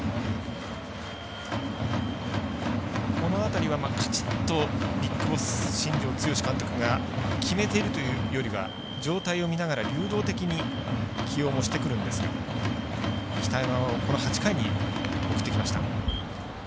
この辺りは、カチッとＢＩＧＢＯＳＳ新庄監督が決めているというよりは状態を見ながら流動的に起用もしてくるんですが北山、８回に送ってきました。